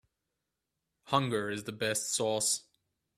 Hunger is the best sauce.